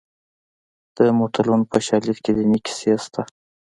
د متلونو په شالید کې دیني کیسې شته